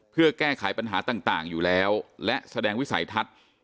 เพื่อแก้ไขปัญหาต่างอยู่แล้วและแสดงวิสัยทัศน์